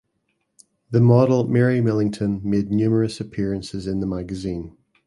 The model Mary Millington made numerous appearances in the magazine.